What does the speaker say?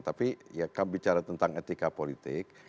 tapi ya kan bicara tentang etika politik